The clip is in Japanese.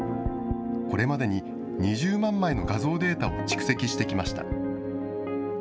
これまでに２０万枚の画像データを蓄積してきました。